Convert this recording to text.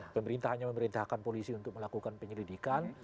pemerintahnya memerintahkan polisi untuk melakukan penyelidikan